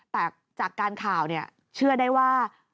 แต่จากการข่าวเชื่อได้ว่า